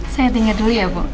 saya tinggal dulu ya bu